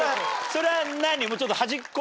それは何？